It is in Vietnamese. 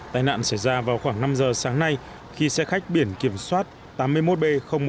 tài nạn xảy ra vào khoảng năm giờ sáng nay khi xe khách biển kiểm soát tám mươi một b một nghìn hai trăm một mươi sáu